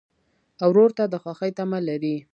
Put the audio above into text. ورور ته د خوښۍ تمه لرې.